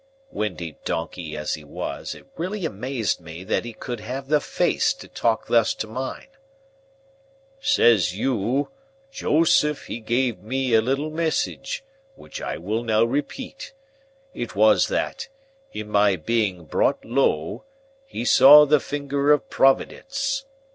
'" Windy donkey as he was, it really amazed me that he could have the face to talk thus to mine. "Says you, 'Joseph, he gave me a little message, which I will now repeat. It was that, in my being brought low, he saw the finger of Providence.